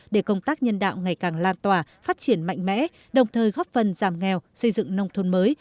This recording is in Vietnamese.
để công tác nhân đạo ngày càng lan tỏa phát triển mạnh mẽ đồng thời góp phần giảm nghèo xây dựng nông thôn mới